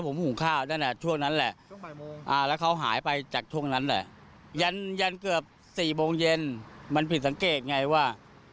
ก่อนหน้าก็ช่วงบ่ายนั้นนั่นแหละก็ที่ว่านั่งกันอยู่